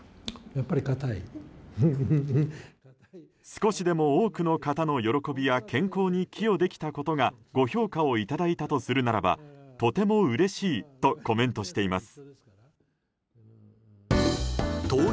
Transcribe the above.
少しでも多くの方の喜びや健康に寄与できたことがご評価をいただいたとするならばとてもうれしいとコメントしています。